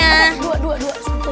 aaaaah ini dia mas takjilnya mas